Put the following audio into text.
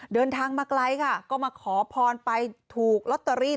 เดินทางมาไกลค่ะก็มาขอพรไปถูกลอตเตอรี่